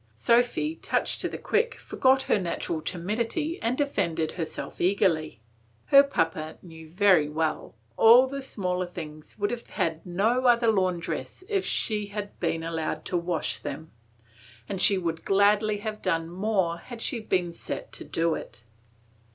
Sophy, touched to the quick, forgot her natural timidity and defended herself eagerly. Her papa knew very well all the smaller things would have had no other laundress if she had been allowed to wash them, and she would gladly have done more had she been set to do it.